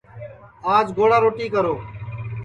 آج گوڑا روٹی کرو